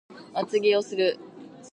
厚着をする